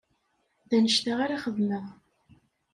D anect-a ara xeddmeɣ.